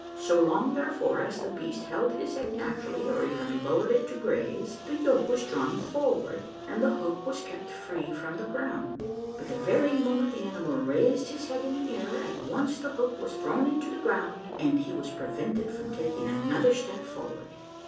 So long, therefore, as the beast held his head naturally or even lowered it to graze, the yoke was drawn forward and the hook was kept free from the ground, but the very moment the animal raised his head in the air, at once the hook was thrown into the ground and lie was prevented from taking another step forward.